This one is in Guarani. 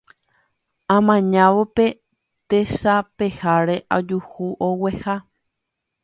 Amañávo pe tesapeháre ajuhu ogueha.